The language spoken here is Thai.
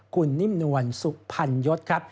คุณนิ่มนวลสุพรรณยศครับ